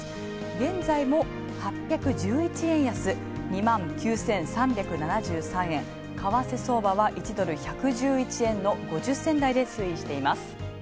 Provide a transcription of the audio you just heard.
現在も８１１円安、２万９３７３円、為替相場は１ドル１１円の５０銭台で推移。